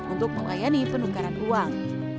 untuk melayani penukaran uang